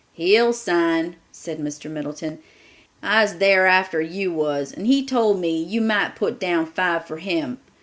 "He'll sign," said Mr. Middleton. "I's thar after you was, and he told me you might put down five for him.